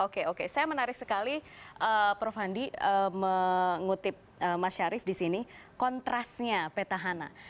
oke oke saya menarik sekali prof handi mengutip mas syarif di sini kontrasnya petahana